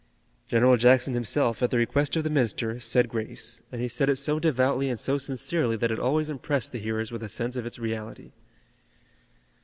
General Jackson himself, at the request of the minister, said grace, and he said it so devoutly and so sincerely that it always impressed the hearers with a sense of its reality.